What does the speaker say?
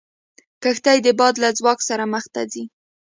کښتۍ د باد له ځواک سره مخ ته ځي.